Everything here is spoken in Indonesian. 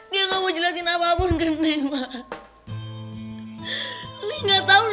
neng gak mau jelasin apapun ke neng